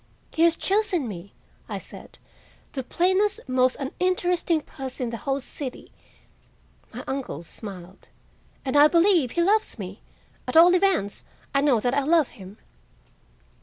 "He has chosen me," I said, "the plainest, most uninteresting puss in the whole city." My uncle smiled. "And I believe he loves me; at all events, I know that I love him."